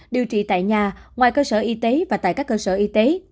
điều trị tại nhà ngoài cơ sở y tế và tại các cơ sở y tế